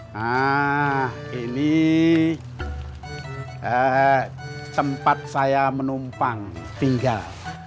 nah ini tempat saya menumpang tinggal